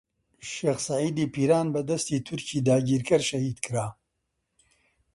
شێخ سەعیدی پیران بە دەستی تورکی داگیرکەر شەهیدکرا.